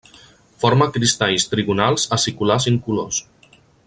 Forma cristalls trigonals aciculars incolors.